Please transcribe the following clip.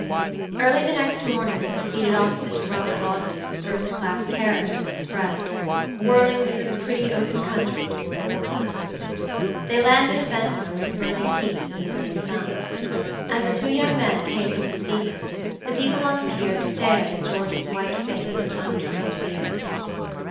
Early the next morning he was seated opposite to Robert Audley in the first class carriage of an express, whirling through the pretty open country toward Portsmouth. They landed at Ventnor under the burning heat of the midday sun. As the two young men came from the steamer, the people on the pier stared at George's white face and untrimmed beard.